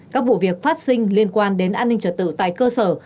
các vụ việc phát sinh liên quan đến an ninh trật tự tại cơ sở